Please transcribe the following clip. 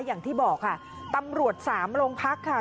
อย่างที่บอกค่ะตำรวจสามโรงพักค่ะ